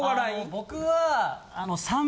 僕は。